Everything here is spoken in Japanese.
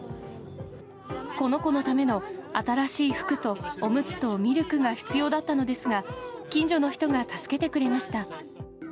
この子のための新しい服とおむつとミルクが必要だったのですが、近所の人が助けてくれました。